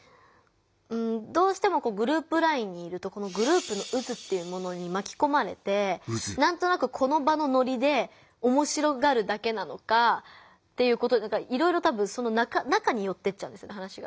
どうしてもグループＬＩＮＥにいるとグループの渦っていうものにまきこまれてなんとなくこの場のノリでおもしろがるだけなのかいろいろ多分その中によってっちゃうんです話が。